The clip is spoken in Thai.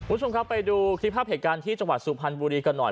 คุณผู้ชมครับไปดูคลิปภาพเหตุการณ์ที่จังหวัดสุพรรณบุรีกันหน่อย